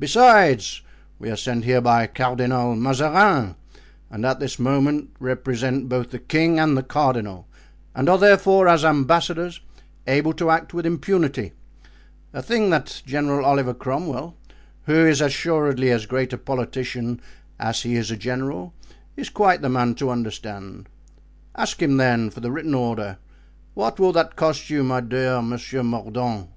Besides, we are sent here by Cardinal Mazarin, and at this moment represent both the king and the cardinal, and are, therefore, as ambassadors, able to act with impunity, a thing that General Oliver Cromwell, who is assuredly as great a politician as he is a general, is quite the man to understand. Ask him then, for the written order. What will that cost you my dear Monsieur Mordaunt?"